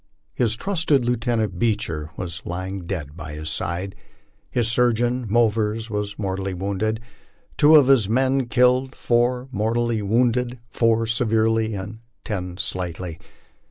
His trusted Lieutenant Beecher was lying dead by his side ; his surgeon, Movers, was mor tally wounded ; two of his men killed, four mortally wounded, four severely, and ten slightly.